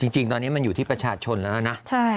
จริงตอนนี้มันอยู่ที่ประชาชนแล้วนะ